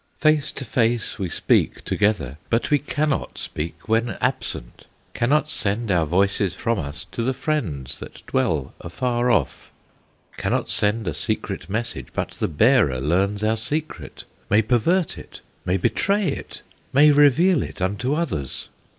"Face to face we speak together, But we cannot speak when absent, Cannot send our voices from us To the friends that dwell afar off; Cannot send a secret message, But the bearer learns our secret, May pervert it, may betray it, May reveal it unto others."